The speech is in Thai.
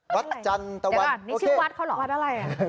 วัดจันตะวันนี่ชื่อวัดเขาเหรอวัดอะไรอ่ะ